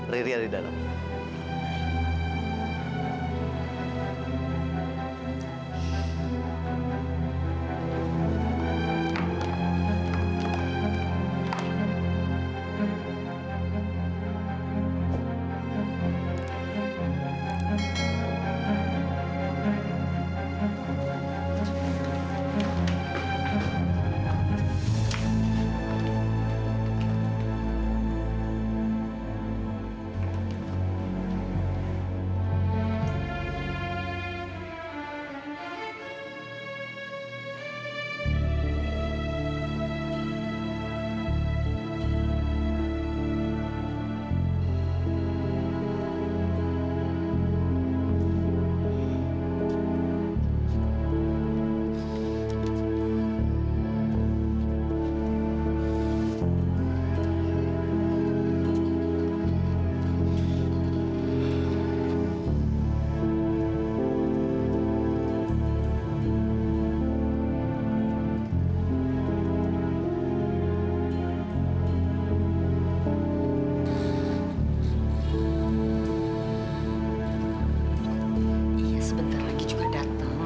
riri ada di dalam